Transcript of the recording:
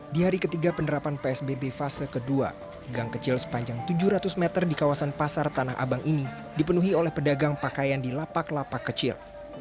di hari ketiga penerapan psbb fase kedua gang kecil sepanjang tujuh ratus meter di kawasan pasar tanah abang ini dipenuhi oleh pedagang pakaian di lapak lapak kecil